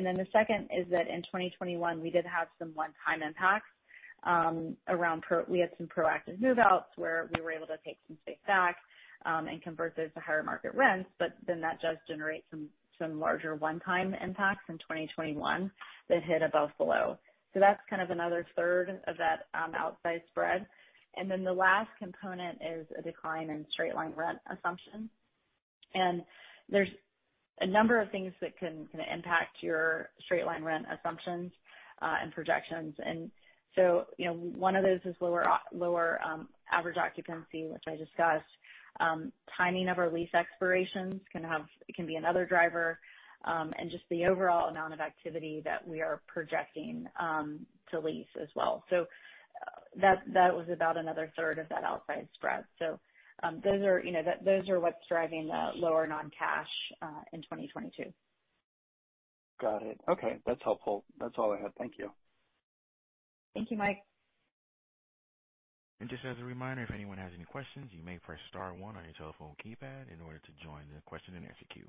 Then the second is that in 2021, we did have some one-time impacts around pro... We had some proactive move-outs where we were able to take some space back, and convert those to higher market rents, but then that does generate some larger one-time impacts in 2021 that hit above/below. That's kind of another third of that outsized spread. The last component is a decline in straight line rent assumption. There's a number of things that can impact your straight line rent assumptions and projections. You know, one of those is lower average occupancy, which I discussed. Timing of our lease expirations can be another driver, and just the overall amount of activity that we are projecting to lease as well. That was about another third of that outsized spread. Those are, you know, what's driving the lower non-cash in 2022. Got it. Okay. That's helpful. That's all I had. Thank you. Thank you, Mike. Just as a reminder, if anyone has any questions, you may press star one on your telephone keypad in order to join the question and answer queue.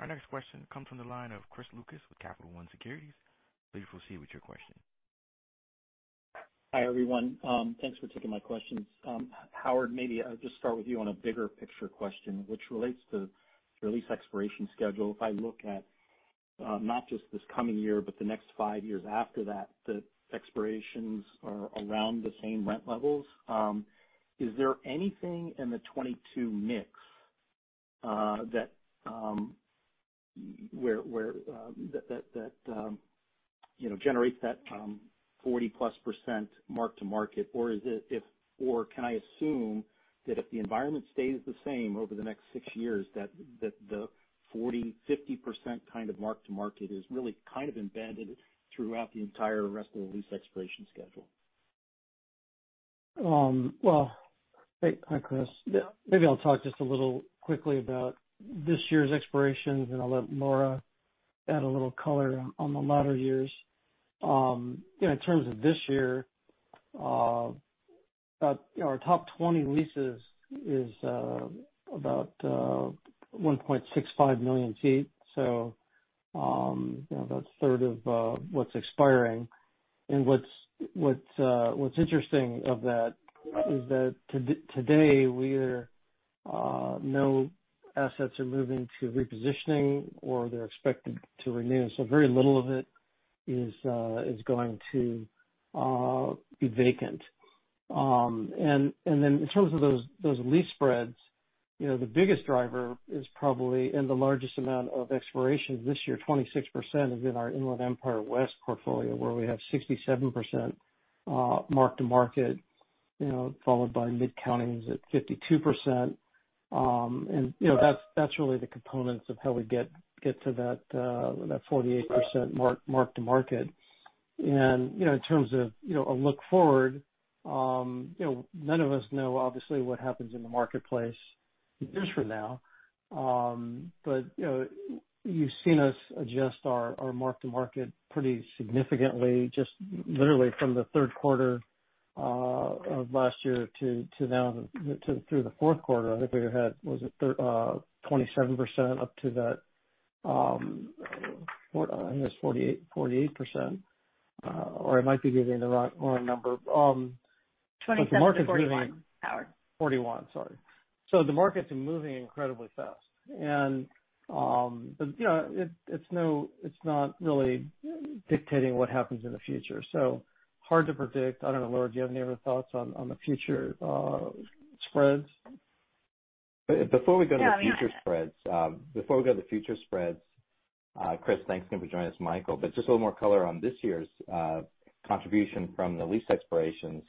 Our next question comes from the line of Chris Lucas with Capital One Securities. Please proceed with your question. Hi, everyone. Thanks for taking my questions. Howard, maybe I'll just start with you on a bigger picture question, which relates to your lease expiration schedule. If I look at, not just this coming year, but the next five years after that, the expirations are around the same rent levels. Is there anything in the 2022 mix that you know generates that 40%+ mark-to-market? Or can I assume that if the environment stays the same over the next six years, that the 40%, 50% kind of mark-to-market is really kind of embedded throughout the entire rest of the lease expiration schedule? Well, hey. Hi, Chris. Yeah. Maybe I'll talk just a little quickly about this year's expirations, and I'll let Laura add a little color on the latter years. You know, in terms of this year, our top 20 leases is about 1.65 million sq ft. So, you know, that's sort of what's expiring. What's interesting of that is that today no assets are moving to repositioning or they're expected to renew. So very little of it is going to be vacant. And then in terms of those lease spreads, you know, the biggest driver is probably in the largest amount of expirations this year. 26% is in our Inland Empire West portfolio, where we have 67% mark-to-market, you know, followed by Mid-Counties at 52%. You know, that's really the components of how we get to that 48% mark-to-market. You know, in terms of, you know, a look forward, none of us know, obviously, what happens in the marketplace years from now. You know, you've seen us adjust our mark-to-market pretty significantly just literally from the third quarter of last year to now, through the fourth quarter. I think we had 27% up to that, I think it's 48%? Or I might be giving the wrong number. 27%-41%, Howard. 41%, sorry. The market's moving incredibly fast. You know, it's not really dictating what happens in the future. Hard to predict. I don't know, Laura, do you have any other thoughts on the future spreads? Before we go to the future spreads, Chris, thanks again for joining us, Michael, but just a little more color on this year's contribution from the lease expirations,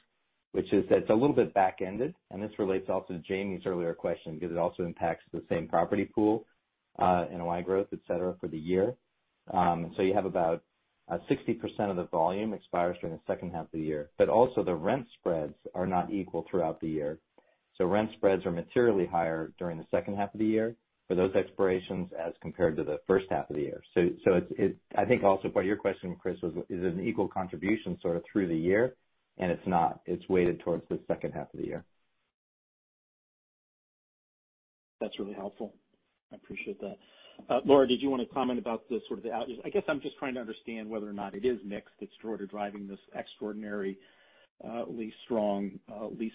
which is that it's a little bit back-ended, and this relates also to Jamie's earlier question because it also impacts the same property pool, NOI growth, et cetera, for the year. You have about 60% of the volume expires during the second half of the year. Also the rent spreads are not equal throughout the year. Rent spreads are materially higher during the second half of the year for those expirations as compared to the first half of the year. It's, I think, also part of your question, Chris, was is it an equal contribution sort of through the year? It's not. It's weighted towards the second half of the year. That's really helpful. I appreciate that. Laura, did you want to comment? I guess I'm just trying to understand whether or not it is mix that's sort of driving this extraordinary leasing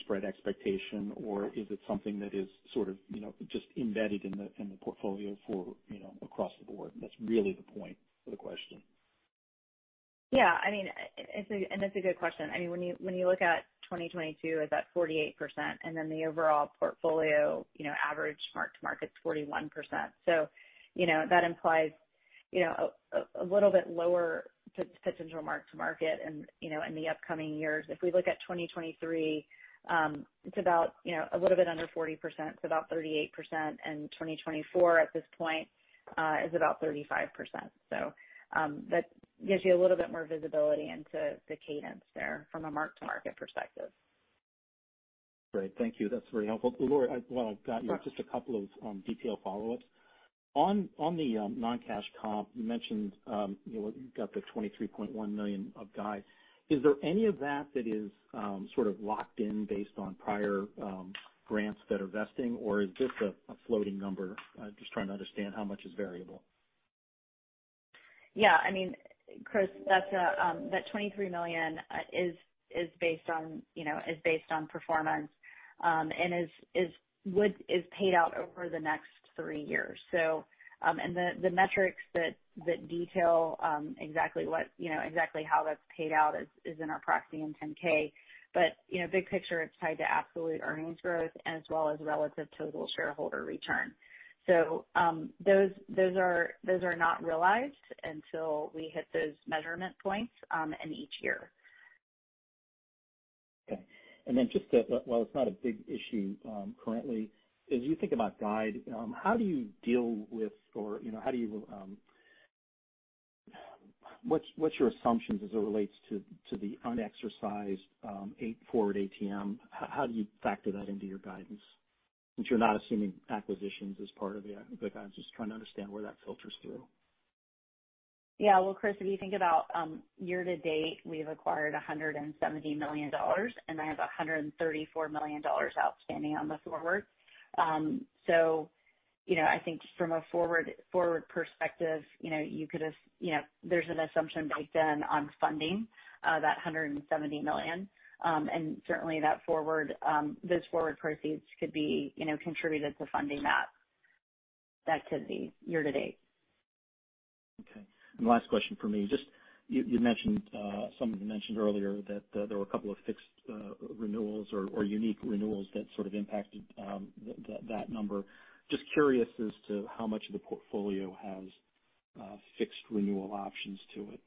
spread expectation, or is it something that is sort of, you know, just embedded in the, in the portfolio for, you know, across the board? That's really the point of the question. Yeah, I mean, that's a good question. I mean, when you look at 2022 at that 48% and then the overall portfolio, you know, average mark-to-market's 41%. That implies, you know, a little bit lower potential mark-to-market in, you know, in the upcoming years. If we look at 2023, it's about, you know, a little bit under 40%, so about 38%. 2024 at this point is about 35%. That gives you a little bit more visibility into the cadence there from a mark-to-market perspective. Great. Thank you. That's very helpful. Laura, while I've got you, just a couple of detail follow-ups. On the non-cash comp, you mentioned, you know, you've got the $23.1 million of guide. Is there any of that that is sort of locked in based on prior grants that are vesting? Or is this a floating number? Just trying to understand how much is variable. Yeah, I mean, Chris, that's that $23 million is based on, you know, performance and is paid out over the next three years. The metrics that detail exactly what, you know, exactly how that's paid out is in our proxy and 10-K. But, you know, big picture, it's tied to absolute earnings growth as well as relative total shareholder return. Those are not realized until we hit those measurement points in each year. Okay. While it's not a big issue, currently, as you think about guide, how do you deal with or, you know, how do you, what's your assumptions as it relates to the unexercised equity forward ATM? How do you factor that into your guidance? Since you're not assuming acquisitions as part of the guidance. Just trying to understand where that filters through. Yeah. Well, Chris, if you think about year to date, we've acquired $170 million, and I have $134 million outstanding on the forward. So, you know, I think just from a forward perspective, you know, you could have, you know, there's an assumption baked in on funding that $170 million. And certainly that forward, those forward proceeds could be, you know, contributed to funding that activity year to date. Okay. Last question from me. Just you mentioned someone mentioned earlier that there were a couple of fixed renewals or unique renewals that sort of impacted that number. Just curious as to how much of the portfolio has fixed renewal options to it.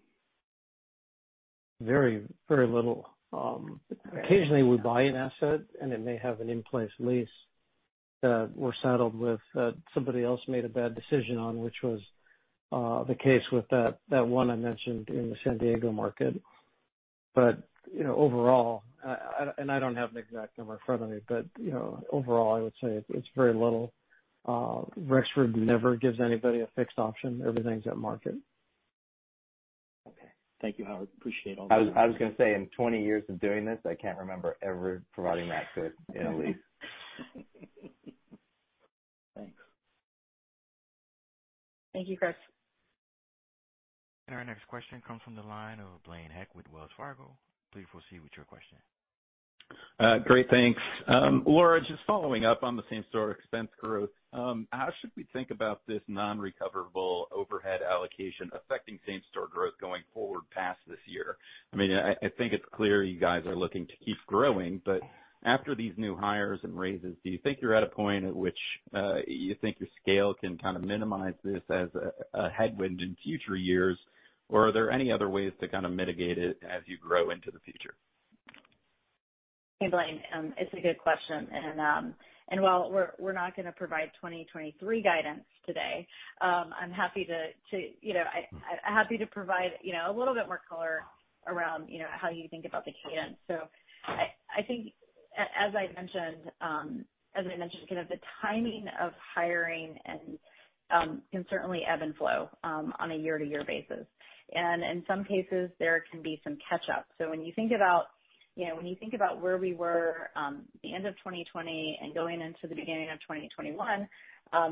Very, very little. Occasionally we buy an asset, and it may have an in-place lease that we're saddled with that somebody else made a bad decision on, which was the case with that one I mentioned in the San Diego market. You know, overall, and I don't have an exact number in front of me, but, you know, overall, I would say it's very little. Rexford never gives anybody a fixed option. Everything's at market. Okay. Thank you, Howard. Appreciate all that. I was gonna say, in 20 years of doing this, I can't remember ever providing that to, in a lease. Thanks. Thank you, Chris. Our next question comes from the line of Blaine Heck with Wells Fargo. Please proceed with your question. Great, thanks. Laura, just following up on the same-store expense growth. How should we think about this non-recoverable overhead allocation affecting same-store growth going forward past this year? I mean, I think it's clear you guys are looking to keep growing, but after these new hires and raises, do you think you're at a point at which you think your scale can kind of minimize this as a headwind in future years? Or are there any other ways to kind of mitigate it as you grow into the future? Hey, Blaine. It's a good question. While we're not gonna provide 2023 guidance today, I'm happy to provide you know a little bit more color around you know how you think about the cadence. I think as I mentioned kind of the timing of hiring and can certainly ebb and flow on a year-to-year basis. In some cases, there can be some catch up. When you think about where we were the end of 2020 and going into the beginning of 2021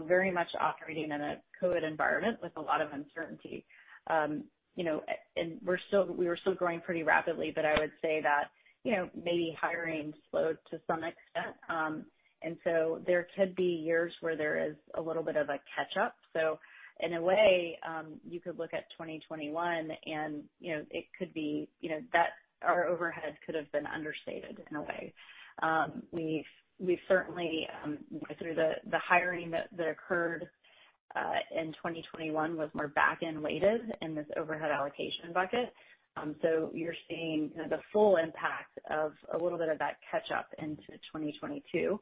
very much operating in a COVID environment with a lot of uncertainty. You know, and we were still growing pretty rapidly, but I would say that, you know, maybe hiring slowed to some extent. There could be years where there is a little bit of a catch-up. In a way, you could look at 2021 and, you know, it could be, you know, that our overhead could have been understated in a way. We've certainly through the hiring that occurred in 2021 was more back-end weighted in this overhead allocation bucket. You're seeing kind of the full impact of a little bit of that catch up into 2022.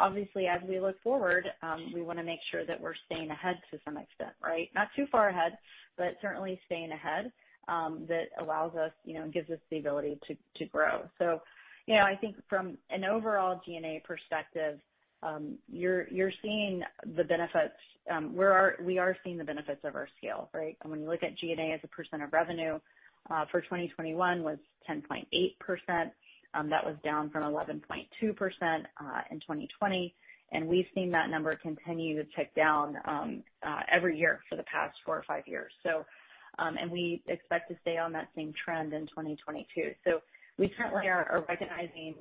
Obviously as we look forward, we wanna make sure that we're staying ahead to some extent, right? Not too far ahead, but certainly staying ahead, that allows us, you know, gives us the ability to grow. You know, I think from an overall G&A perspective, you're seeing the benefits, we are seeing the benefits of our scale, right? When you look at G&A as a percent of revenue, for 2021 was 10.8%. That was down from 11.2% in 2020. We've seen that number continue to tick down every year for the past four or five years. We expect to stay on that same trend in 2022. We certainly are recognizing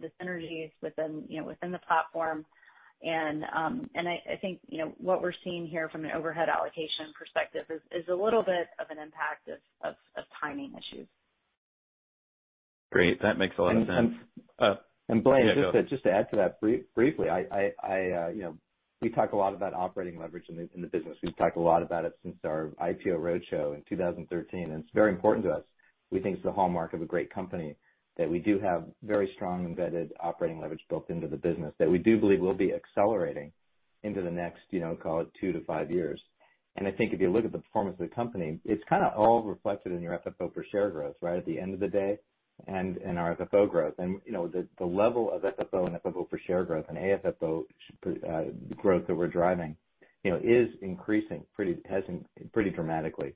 the synergies within, you know, within the platform. I think, you know, what we're seeing here from an overhead allocation perspective is a little bit of an impact of timing issues. Great. That makes a lot of sense. And, and- Oh. Blaine- Yeah, go ahead. Just to add to that briefly. I, you know, we talk a lot about operating leverage in the business. We've talked a lot about it since our IPO roadshow in 2013, and it's very important to us. We think it's the hallmark of a great company that we do have very strong embedded operating leverage built into the business that we do believe will be accelerating into the next, you know, call it 2-5 years. I think if you look at the performance of the company, it's kind of all reflected in your FFO per share growth, right? At the end of the day and in our FFO growth. You know, the level of FFO and FFO per share growth and AFFO growth that we're driving, you know, is increasing pretty dramatically.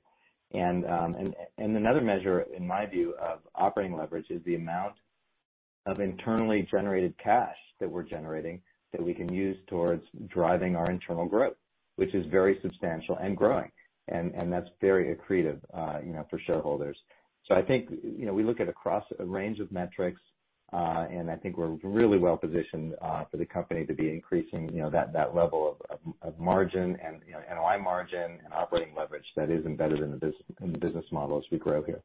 Another measure in my view of operating leverage is the amount of internally generated cash that we're generating that we can use towards driving our internal growth, which is very substantial and growing, and that's very accretive, you know, for shareholders. I think, you know, we look across a range of metrics, and I think we're really well positioned, for the company to be increasing, you know, that level of margin and, you know, NOI margin and operating leverage that is embedded in the business model as we grow here.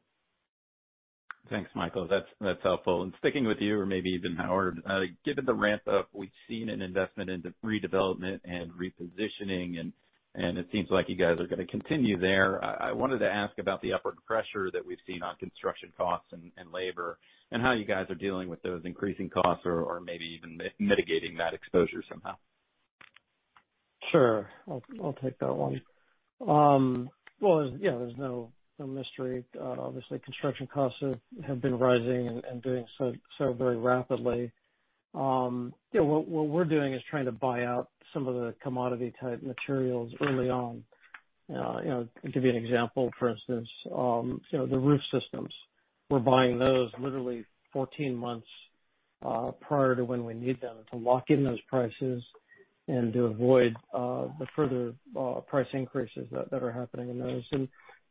Thanks, Michael. That's helpful. Sticking with you or maybe even Howard, given the ramp up we've seen an investment into redevelopment and repositioning, and it seems like you guys are gonna continue there. I wanted to ask about the upward pressure that we've seen on construction costs and labor, and how you guys are dealing with those increasing costs or maybe even mitigating that exposure somehow. Sure. I'll take that one. Well, yeah, there's no mystery. Obviously, construction costs have been rising and doing so very rapidly. You know, what we're doing is trying to buy out some of the commodity type materials early on. You know, to give you an example, for instance, you know, the roof systems, we're buying those literally 14 months prior to when we need them to lock in those prices and to avoid the further price increases that are happening in those.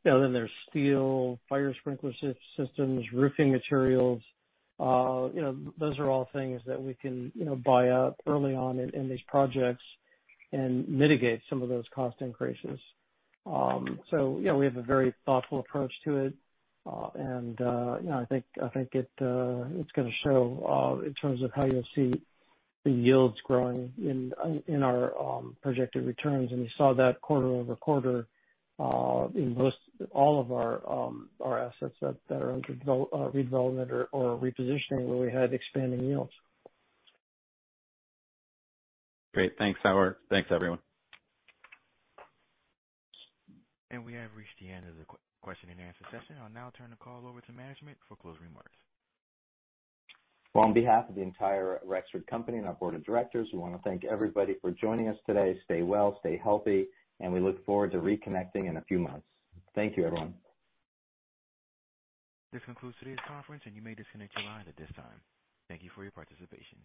Then there's steel, fire sprinkler systems, roofing materials, you know, those are all things that we can, you know, buy up early on in these projects and mitigate some of those cost increases. So, you know, we have a very thoughtful approach to it. you know, I think it's gonna show in terms of how you'll see the yields growing in our projected returns. You saw that quarter-over-quarter in most all of our assets that are under redevelopment or repositioning, where we had expanding yields. Great. Thanks, Howard. Thanks, everyone. We have reached the end of the question and answer session. I'll now turn the call over to management for closing remarks. Well, on behalf of the entire Rexford company and our board of directors, we wanna thank everybody for joining us today. Stay well, stay healthy, and we look forward to reconnecting in a few months. Thank you, everyone. This concludes today's conference, and you may disconnect your line at this time. Thank you for your participation.